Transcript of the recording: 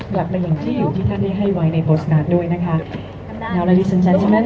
กลับมาอย่างที่อยู่ที่ท่านได้ให้ไว้ในโปสต์นาฏด้วยนะคะทำลาดีสันเจอร์เซ็นต์เมนต์